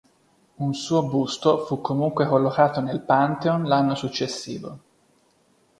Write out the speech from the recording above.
Un suo busto fu comunque collocato nel Pantheon l'anno successivo.